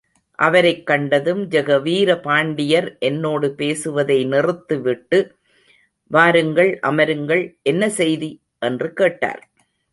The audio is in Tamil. அவரைக் கண்டதும் ஜெகவீர பாண்டியர் என்னோடு பேசுவதை நிறுத்திவிட்டு, வாருங்கள், அமருங்கள், என்ன செய்தி? —என்று கேட்டார்.